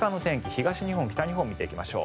東日本、北日本見ていきましょう。